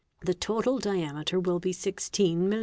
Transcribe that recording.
the total diameter will be 16 mill.